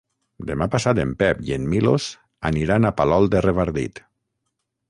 Demà passat en Pep i en Milos aniran a Palol de Revardit.